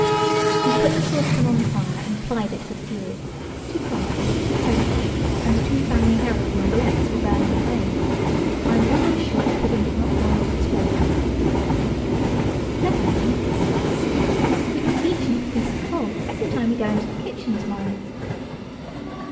We put the saucepan on the fire and plied it with fuel–two Chronicles, a Telegraph, and two Family Herald novelettes were burned in vain. I am almost sure the pudding did not boil at all that night. "Never mind," Alice said. "We can each nick a piece of coal every time we go into the kitchen to morrow."